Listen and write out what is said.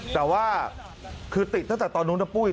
แต่ว่าคือติดตั้งแต่ตอนนู้นนะปุ้ย